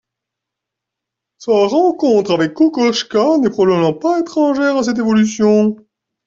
Sa rencontre avec Kokoschka n’est probablement pas étrangère à cette évolution.